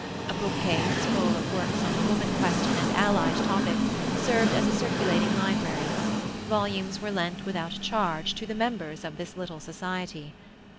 A bookcase full of works on the Woman Question and allied topics served as a circulating library; volumes were lent without charge to the members of this little society.